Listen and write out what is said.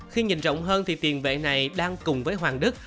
khi nhìn rộng hơn thì tiền vệ này đang cùng với hoàng đức